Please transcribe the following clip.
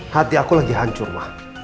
hati aku lagi hancur mah